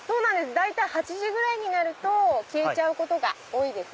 大体８時ぐらいになると消えちゃうことが多いです。